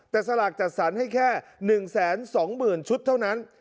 แต่สลากจัดสรรให้แค่๑๒๐๐๐ชุดเท่านั้น